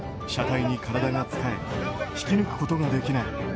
車体に体がつかえ引き抜くことができない。